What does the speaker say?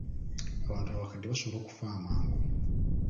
Abantu abakadde basobola okufa amangu.